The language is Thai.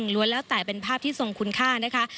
ล้วนแล้วแต่เป็นภาพที่ทรงคุณค่านะคะ